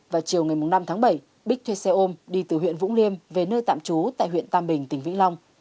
vào chiều ngày năm tháng bảy bích thuê xe ôm đi từ huyện vũng liêm về nơi tạm trú tại huyện tam bình tỉnh vĩnh long